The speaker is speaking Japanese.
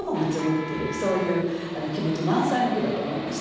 そういう気持ち満載の句だと思いました。